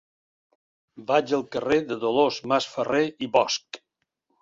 Vaig al carrer de Dolors Masferrer i Bosch.